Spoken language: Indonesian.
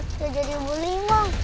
dia jadi ibu limang